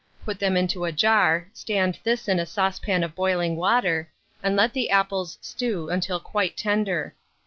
Put them into a jar, stand this in a saucepan of boiling water, and let the apples stew until quite tender.